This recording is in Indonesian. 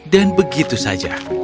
dan begitu saja